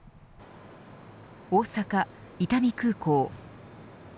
大阪、伊丹空港。